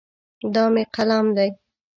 دا مې قلم دی.